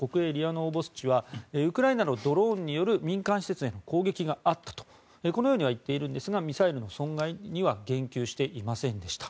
ノーボスチはウクライナのドローンによる民間施設への攻撃があったとこのように言っていますがミサイルの損害には言及していませんでした。